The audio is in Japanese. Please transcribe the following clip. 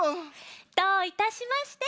どういたしまして。